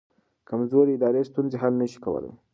کمزوري ادارې ستونزې حل نه شي کولی.